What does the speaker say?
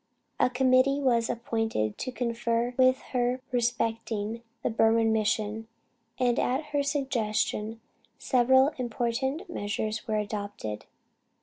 A committee was appointed to confer with her respecting the Burman Mission, and at her suggestion several important measures were adopted.